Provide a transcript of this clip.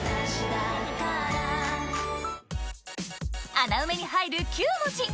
穴埋めに入る９文字！